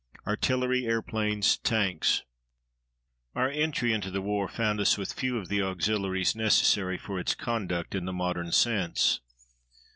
ARTILLERY, AIRPLANES, TANKS Our entry into the war found us with few of the auxiliaries necessary for its conduct in the modern sense.